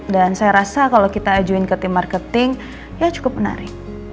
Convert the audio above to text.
dan saya rasa kalau kita ajuin ke tim marketing ya cukup menarik